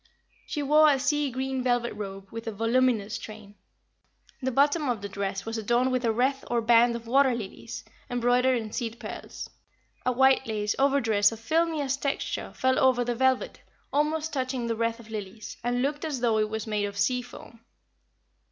She wore a sea green velvet robe with a voluminous train. The bottom of the dress was adorned with a wreath or band of water lilies, embroidered in seed pearls. A white lace overdress of filmiest texture fell over the velvet, almost touching the wreath of lilies, and looked as though it was made of sea foam.